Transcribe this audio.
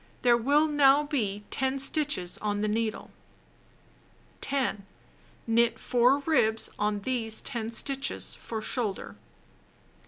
There will now be 10 stitches on the needle. 10. Knit 4 ribs on these 10 stitches for shoulder.